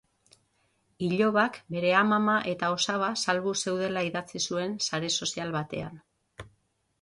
Ilobak bere amama eta osaba salbu zeudela idatzi zuen sare sozial batean.